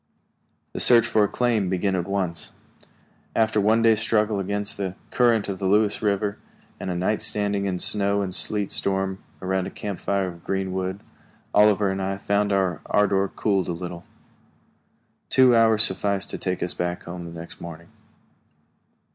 The search for a claim began at once. After one day's struggle against the current of the Lewis River, and a night standing in a snow and sleet storm around a camp fire of green wood, Oliver and I found our ardor cooled a little. Two hours sufficed to take us back home next morning.